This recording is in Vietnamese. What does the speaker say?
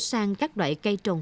sang các loại cây trồng